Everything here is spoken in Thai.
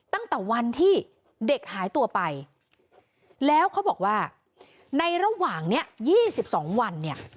ตั้งแต่วันที่เด็กหายตัวไปแล้วเขาบอกว่าในระหว่างนี้๒๒วันเนี่ย